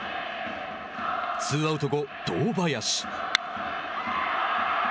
ツーアウト後、堂林。